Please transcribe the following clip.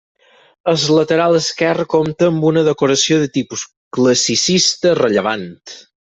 El lateral esquerre compta amb una decoració de tipus classicista rellevant.